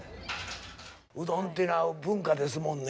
うどんっていうのは文化ですもんね。